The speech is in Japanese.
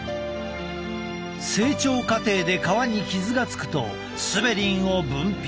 成長過程で皮に傷がつくとスベリンを分泌。